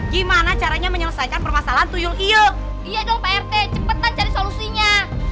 gimana caranya menyelesaikan permasalahan tuyul iya iya dong pak rete cepetan cari solusinya